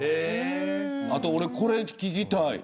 あとこれ聞きたい。